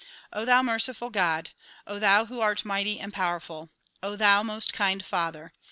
O thou merciful God! thou who art mighty and powerful! O thou most kind father!